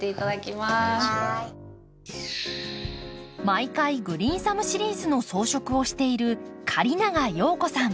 毎回「グリーンサムシリーズ」の装飾をしている狩長陽子さん。